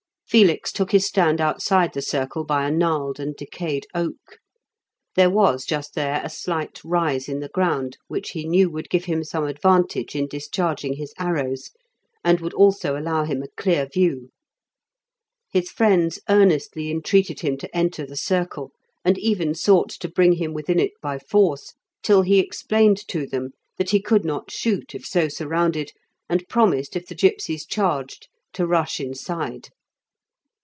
Felix took his stand outside the circle by a gnarled and decayed oak. There was just there a slight rise in the ground, which he knew would give him some advantage in discharging his arrows, and would also allow him a clear view. His friends earnestly entreated him to enter the circle, and even sought to bring him within it by force, till he explained to them that he could not shoot if so surrounded, and promised if the gipsies charged to rush inside.